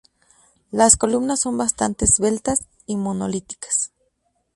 Las columnas son bastantes esbeltas y monolíticas.